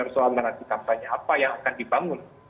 soal narasi kampanye apa yang akan dibangun